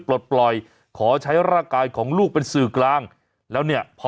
ปลดปล่อยขอใช้ร่างกายของลูกเป็นสื่อกลางแล้วเนี่ยพอ